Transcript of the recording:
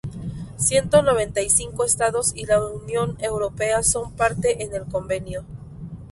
Ciento noventa y cinco estados y la Unión Europea son partes en el Convenio.